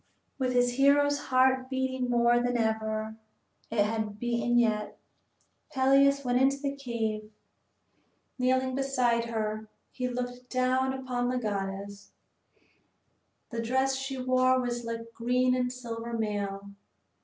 II With his hero's heart beating more than ever it had beaten yet, Peleus went into the cave. Kneeling beside her he looked down upon the goddess. The dress she wore was like green and silver mail.